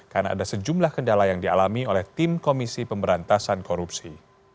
karena ada sejumlah kendala yang dialami oleh tim komisi pemberantasan korupsi